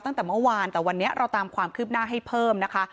ตั้งแต่เมื่อวานแต่วันนี้เราตามความคืบหน้าให้เพิ่มนะคะ